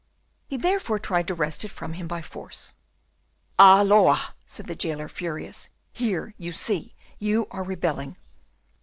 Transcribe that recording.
He therefore tried to wrest it from him by force. "Halloa!" said the jailer, furious, "here, you see, you are rebelling."